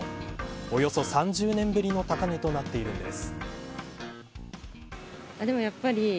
およそ３０年ぶりの高値となっているんです。